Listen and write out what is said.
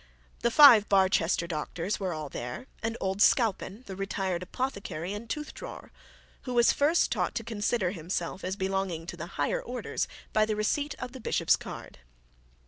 The five Barchester doctors were all there, and old Scalpen, the retired apothecary and toothdrawer, who was first taught to consider himself as belonging to the higher orders by the receipt of the bishop's card.